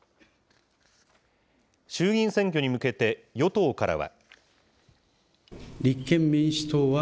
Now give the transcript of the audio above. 衆議院選挙に向けて、与党からは。